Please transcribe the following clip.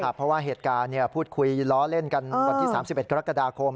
เพราะว่าเหตุการณ์พูดคุยล้อเล่นกันวันที่๓๑กรกฎาคม